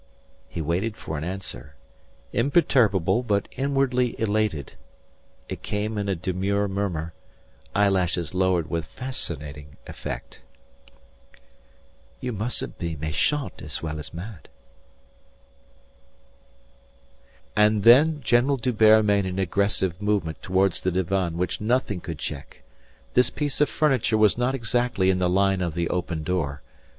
He waited for an answer, imperturbable but inwardly elated. It came in a demure murmur, eyelashes lowered with fascinating effect. "You mustn't be méchant as well as mad." And then General D'Hubert made an aggressive movement towards the divan which nothing could check. This piece of furniture was not exactly in the line of the open door.